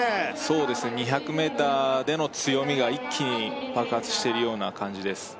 そうですね２００ｍでの強みが一気に爆発してるような感じです